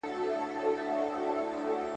چا غړومبی ورته کاوه چا اتڼونه ,